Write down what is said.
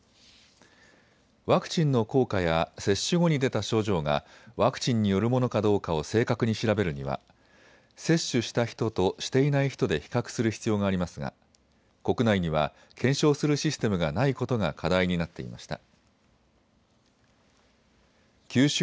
ワクチンの効果や接種後に出た症状がワクチンによるものかどうかを正確に調べるには接種した人としていない人で比較する必要がありますが国内には検証するシステムがないことが課題になっていました。